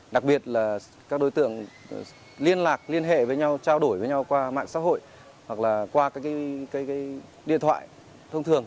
đặc biệt là các đối tượng liên lạc liên hệ với nhau trao đổi với nhau qua mạng xã hội hoặc là qua các điện thoại thông thường